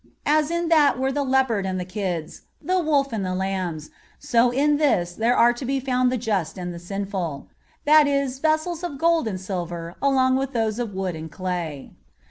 As in that were the leopard and the kids, the wolf and the lambs, so in this there are to be found the just and the sinful—that is, vessels of gold and silver along with those of wood and clay."